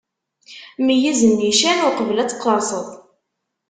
Meyyez nnican, uqbel ad tqerseḍ!